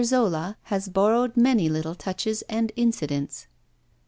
Zola has borrowed many little touches and incidents.